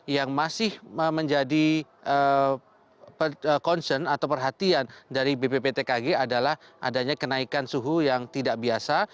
yang masih menjadi concern atau perhatian dari bpptkg adalah adanya kenaikan suhu yang tidak biasa